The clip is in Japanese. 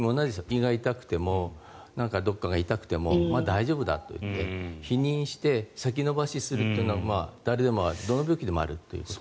胃が痛くてもどこかが痛くても大丈夫だといって否認して先延ばしにするというのは誰でも、どの病気でもあります。